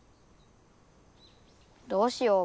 どうしよう？